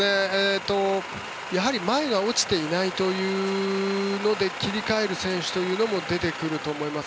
やはり前が落ちていないというので切り替える選手というのも出てくると思います。